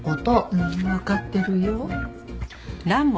うんわかってるよ。